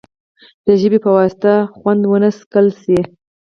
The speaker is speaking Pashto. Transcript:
د ژبې په واسطه خوند ونه څکل شي.